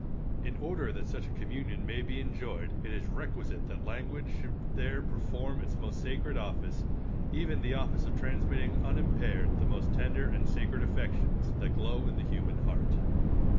In order that such a communion may be enjoyed it is requisite that language should there perform its most sacred office, even the office of transmitting unimpared the most tender and sacred affections that glow in the human heart.